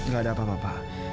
gak ada apa apa